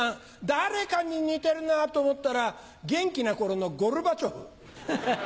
誰かに似てるなと思ったら元気な頃のゴルバチョフ。